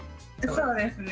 そうですね。